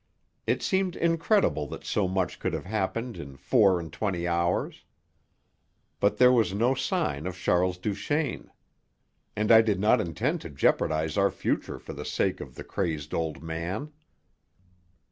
It seemed incredible that so much could have happened in four and twenty hours. But there was no sign of Charles Duchaine. And I did not intend to jeopardize our future for the sake of the crazed old man.